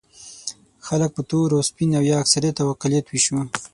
خلک په تور او سپین او یا اکثریت او اقلیت وېشو.